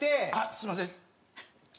すみません。